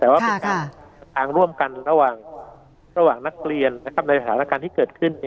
แต่ว่าเป็นการทางร่วมกันระหว่างนักเรียนในสถานการณ์ที่เกิดขึ้น